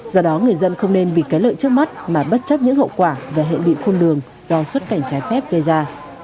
do đó người dân không nên bị cái lợi trước mắt mà bất chấp những hậu quả và hệ định khuôn đường do xuất cảnh trái phép gây ra